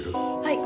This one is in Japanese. はい。